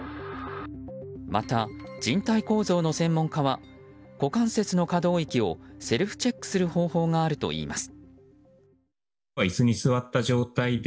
また、人体構造の専門家は股関節の可動域をセルフチェックする方法があるといいます。